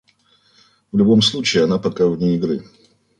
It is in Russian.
В любом случае, он пока вне игры.